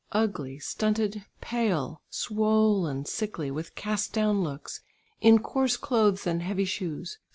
Ugly, stunted, pale, swollen, sickly, with cast down looks, in coarse clothes and heavy shoes.